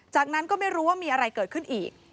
จากนั้นก็ไม่รู้ว่ามีอะไรเกิดขึ้นอีก